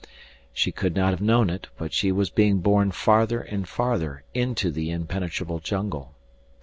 She could not have known it, but she was being borne farther and farther into the impenetrable jungle.